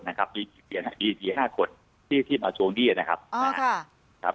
นะครับมีมีห้าคนที่ที่มาตรงนี้อ่ะนะครับอ๋อค่ะครับ